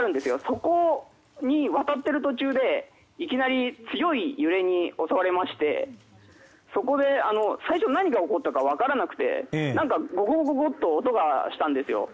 そこに渡っている途中でいきなり強い揺れに襲われまして、そこで最初何が起こったか分からなくてゴフゴフと音がしたんですよ。